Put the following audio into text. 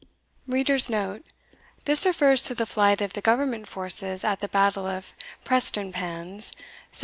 [This refers to the flight of the government forces at the battle of Prestonpans, 1745.